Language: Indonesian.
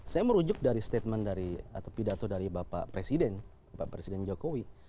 saya merujuk dari statement dari atau pidato dari bapak presiden bapak presiden jokowi